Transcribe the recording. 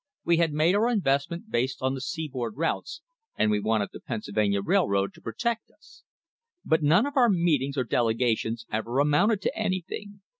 We had made our investment based on the seaboard routes, and we wanted the Pennsylvania Railroad to protect us. But none of our meetings or delegations ever amounted to anything.